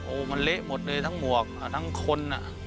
โอ้โหมันเละหมดเลยทั้งหมวกทั้งคน